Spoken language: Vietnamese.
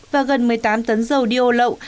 và gần một mươi tám tấn dầu diô lậu